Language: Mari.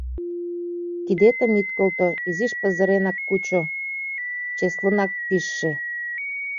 Кидетым ит колто, изиш пызыренак кучо, чеслынак пижше.